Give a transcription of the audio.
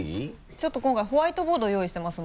ちょっと今回ホワイトボードを用意してますので。